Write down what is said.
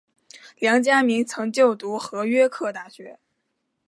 梁嘉铭曾就读和约克大学。